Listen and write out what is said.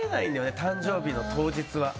誕生日の当日は。